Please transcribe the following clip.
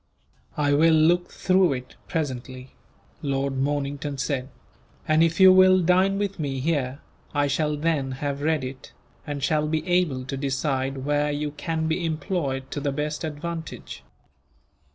"I will look through it, presently," Lord Mornington said; "and if you will dine with me here, I shall then have read it, and shall be able to decide where you can be employed to the best advantage."